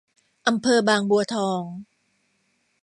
อำเภอบางบัวทอง